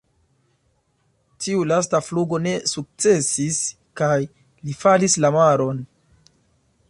Tiu lasta flugo ne sukcesis kaj li falis la maron.